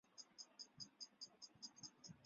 辽中京遗址位于内蒙古自治区赤峰市宁城县。